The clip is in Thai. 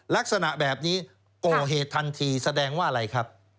ลักษณะแบบนี้ก่อเหตุทันทีแสดงว่าอะไรครับ